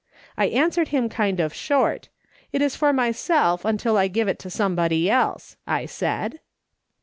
I answered him kind of short :' It is for myself until I give it to somebody else,' I said.